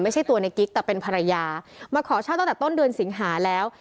ไม่ใช่ตัวในกิ๊กแต่เป็นภรรยามาขอเช่าตั้งแต่ต้นเดือนสิงหาแล้ว